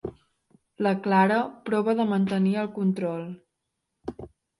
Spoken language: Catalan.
La Clara prova de mantenir el control.